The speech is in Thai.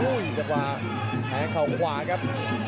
ดูครับฮาวดงแข่งเข้าขวากับ